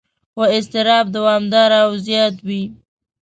خو اضطراب دوامداره او زیات وي.